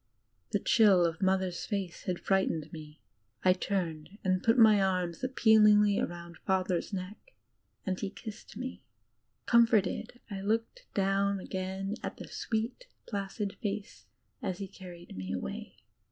The chill of Mother's face had frightened me; I turned and put my arms appealingly about Father's neck and he kissed me. G^mforted, I looked down again at the sweet, placid face as he carried me away.